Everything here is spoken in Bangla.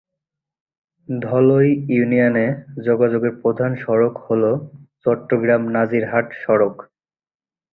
ধলই ইউনিয়নে যোগাযোগের প্রধান সড়ক হল চট্টগ্রাম-নাজিরহাট সড়ক।